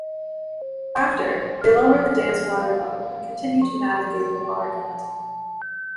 After, they lower the dam's water level and continue to navigate the water plant.